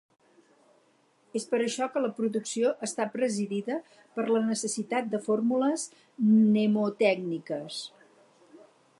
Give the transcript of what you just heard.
Es per això que la producció està presidida per la necessitat de fórmules mnemotècniques.